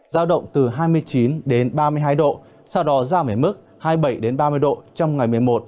giao động từ hai mươi chín đến ba mươi hai độ sau đó giao mềm mức hai mươi bảy đến ba mươi độ trong ngày một mươi một